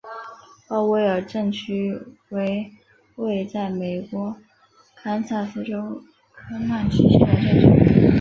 鲍威尔镇区为位在美国堪萨斯州科曼奇县的镇区。